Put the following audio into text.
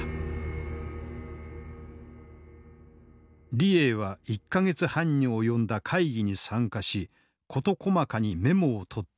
李鋭は１か月半に及んだ会議に参加し事細かにメモを取っていた。